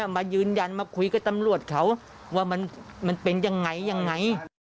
มายืนยันมาคุยกับตำรวจเขาว่ามันเป็นยังไงยังไง